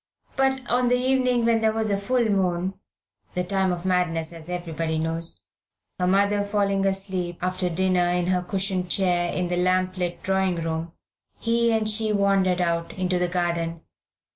But on the evening when there was a full moon the time of madness as everybody knows her mother falling asleep after dinner in her cushioned chair in the lamp lit drawing room, he and she wandered out into the garden.